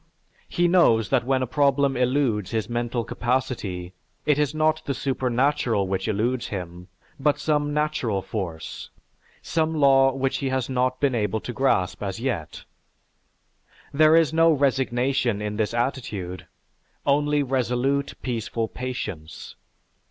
He knows that when a problem eludes his mental capacity, it is not the supernatural which eludes him but some natural force, some law which he has not been able to grasp as yet. There is no resignation in this attitude; only resolute, peaceful patience.